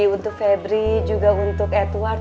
untuk febri juga untuk edward